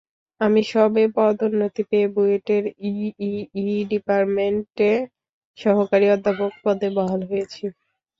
আমি সবে পদোন্নতি পেয়ে বুয়েটের ইইই ডিপার্টমেন্টে সহকারী অধ্যাপক পদে বহাল হয়েছি।